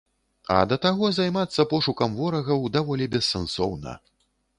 А да таго займацца пошукам ворагаў даволі бессэнсоўна.